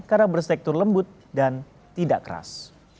karena bersektur lembut dan tidak keras